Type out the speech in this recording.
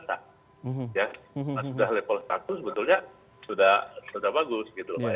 kalau sudah level satu sebetulnya sudah bagus